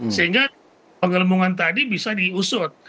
sehingga penggelembungan tadi bisa diusut